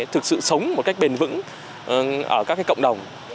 thực sự sống một cách bền vững ở các cộng đồng